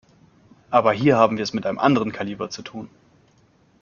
Aber hier haben wir es mit einem anderen Kaliber zu tun.